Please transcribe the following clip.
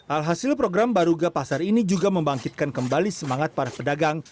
alhasil program baruga pasar ini juga membangkitkan kembali semangat para pedagang